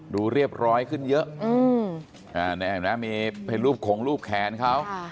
ดูเรียบร้อยขึ้นเยอะมีเป็นรูปขงรูปแขนเขา